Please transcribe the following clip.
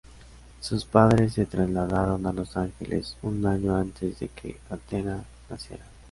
Sus padres se trasladaron a Los Ángeles un año antes de que Athena naciera.